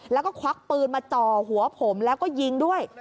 แล้วก็ควักปืนมาจ่อหัวผมแล้วก็ยิงด้วย